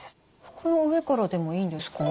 服の上からでもいいんですか？